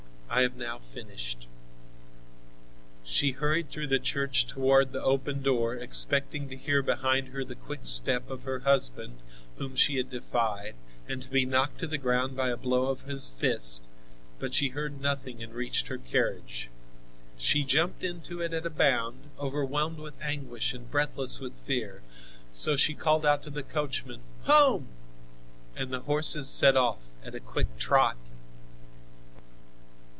I have now finished." She hurried through the church toward the open door, expecting to hear behind her the quick step: of her husband whom she had defied and to be knocked to the ground by a blow of his fist, but she heard nothing and reached her carriage. She jumped into it at a bound, overwhelmed with anguish and breathless with fear. So she called out to the coachman: "Home!" and the horses set off at a quick trot.